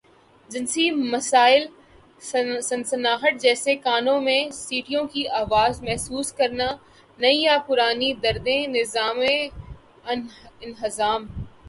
جنسی مسائل سنسناہٹ جیسے کانوں میں سیٹیوں کی آواز محسوس کرنا نئی یا پرانی دردیں نظام انہضام